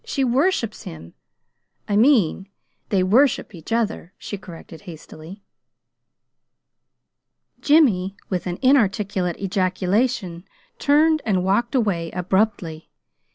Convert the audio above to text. She worships him! I mean they worship each other," she corrected hastily. Jimmy, with an inarticulate ejaculation, turned and walked away abruptly.